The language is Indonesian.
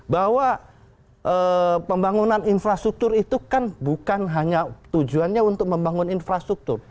bahwa pembangunan infrastruktur itu kan bukan hanya tujuannya untuk membangun infrastruktur